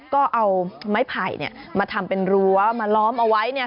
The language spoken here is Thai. ก็เอาไม้ไผ่มาทำเป็นรั้วมาล้อมเอาไว้เนี่ย